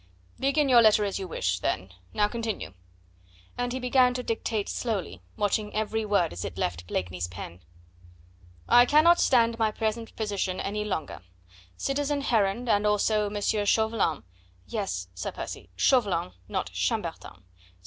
"Begin your letter as you wish, then; now continue." And he began to dictate slowly, watching every word as it left Blakeney's pen. "'I cannot stand my present position any longer. Citizen Heron, and also M. Chauvelin ' Yes, Sir Percy, Chauvelin, not Chambertin